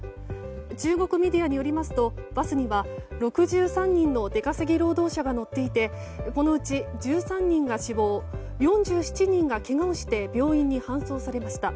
中国メディアによりますとバスには６３人の出稼ぎ労働者が乗っていてこのうち１３人が死亡４７人がけがをして病院に搬送されました。